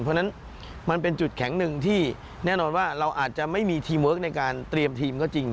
เพราะฉะนั้นมันเป็นจุดแข็งหนึ่งที่แน่นอนว่าเราอาจจะไม่มีทีเวิร์คในการเตรียมทีมก็จริง